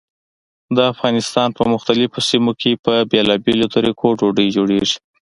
د افغانستان په مختلفو سیمو کې په بېلابېلو طریقو ډوډۍ جوړېږي.